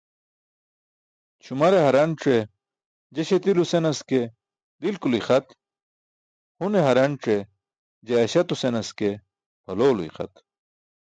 Ćʰumare haranc̣e je śatilo senas ke dilkulo ixat, hune haranc̣e je aśaato senas ke pʰalowlo ixat.